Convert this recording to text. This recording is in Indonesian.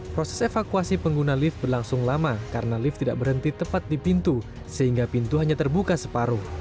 proses evakuasi pengguna lift berlangsung lama karena lift tidak berhenti tepat di pintu sehingga pintu hanya terbuka separuh